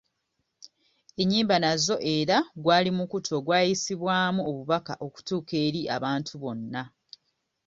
Ennyimba nazo era gwali mukutu ogwayisibwamu obubaka okutuuka eri abantu bonna